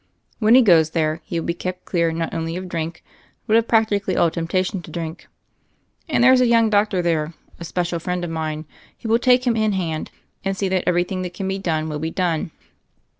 When he goes there he will be kept clear not only of drink but of practically all temptation to drink; and there's a young doctor there, a special friend of mine, who will take him in hand and see that everything that can be done will be done.